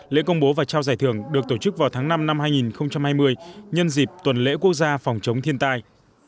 lễ công bố và trao giải thưởng được tổ chức vào tháng năm năm hai nghìn hai mươi nhân dịp tuần lễ quốc gia phòng chống thiên tai